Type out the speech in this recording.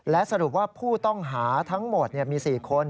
และสรุปว่าผู้ต้องหาทั้งหมดมี๔คน